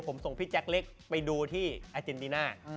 ผมส่งพี่แจ็คเล็กไปดูที่อาเจนติน่า